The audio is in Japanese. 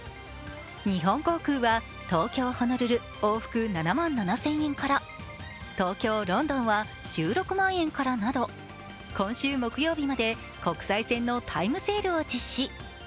日本航空は東京−ホノルル往復７万７０００円から、東京ーロンドンは１６万円など今週木曜日まで国際線のタイムセールを実施。